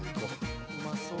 うまそう。